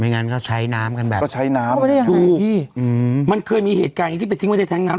ไม่งั้นเขาใช้น้ำกันไปก็ใช้น้ำดูมันเคยมีเหตุการณ์อย่างงี้ที่ไปทิ้งบ้านใดแทนงาน